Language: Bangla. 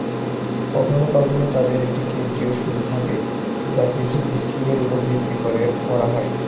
কখনও কখনও তাদের একটি কেন্দ্রীয় সুর থাকে যা কিছু স্ট্রিং উপর ভিত্তি করে হয়।